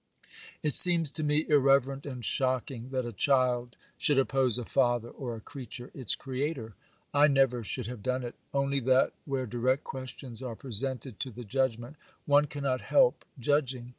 'It seems to me irreverent and shocking that a child should oppose a father, or a creature its Creator. I never should have done it, only that, where direct questions are presented to the judgment, one cannot help judging.